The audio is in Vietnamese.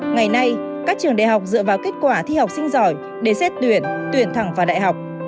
ngày nay các trường đại học dựa vào kết quả thi học sinh giỏi để xét tuyển tuyển thẳng vào đại học